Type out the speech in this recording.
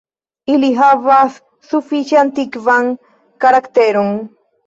Ili havas sufiĉe antikvan karakteron.